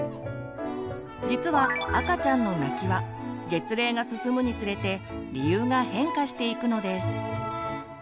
実は赤ちゃんの泣きは月齢が進むにつれて理由が変化していくのです。